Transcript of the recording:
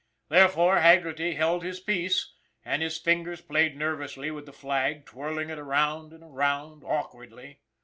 Therefore, Hag gerty held his peace, and his fingers played nervously with the flag, twirling it around and around awk wardly.